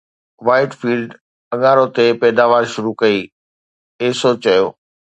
white field اڱارو تي پيداوار شروع ڪئي، ايسو چيو